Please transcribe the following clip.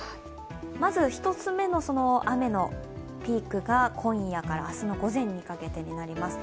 まず１つ目の雨のピークが今夜から明日の午前にかけてになります。